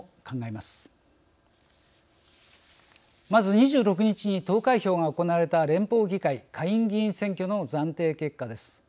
まず、２６日に投開票が行われた連邦議会・下院議員選挙の暫定結果です。